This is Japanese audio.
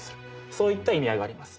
そういった意味合いがあります。